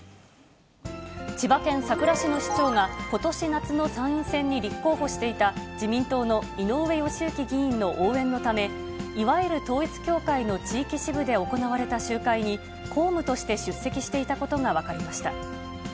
千葉県佐倉市の市長が、ことし夏の参院選に立候補していた自民党の井上義行議員の応援のため、いわゆる統一教会の地域支部で行われた集会に、公務として出席していたことが分かりました。